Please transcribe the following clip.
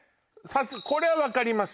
これは分かります